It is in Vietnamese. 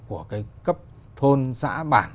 của cái cấp thôn xã bản